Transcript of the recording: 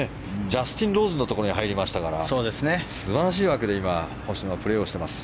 ジャスティン・ローズのところに入りましたから素晴らしい枠で今、星野はプレーしています。